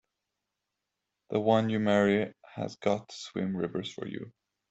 The one you marry has got to swim rivers for you!